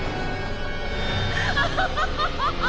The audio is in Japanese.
アハハハハ！